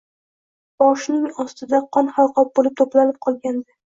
Boshining ostida qon halqob bo`lib to`planib qolgandi